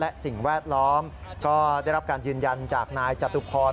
และสิ่งแวดล้อมก็ได้รับการยืนยันจากนายจตุพร